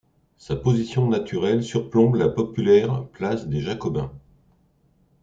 Sa position naturelle surplombe la populaire place des Jacobins.